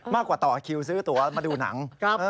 ต่อคิวซื้อตัวมาดูหนัง